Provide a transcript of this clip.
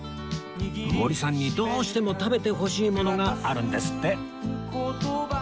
森さんにどうしても食べてほしいものがあるんですって